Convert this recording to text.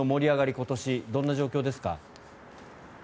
今年、どんな状況ですか？